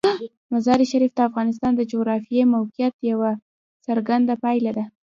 مزارشریف د افغانستان د جغرافیایي موقیعت یوه څرګنده پایله ده.